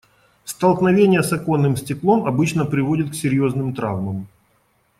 Столкновение с оконным стеклом обычно приводит к серьёзным травмам.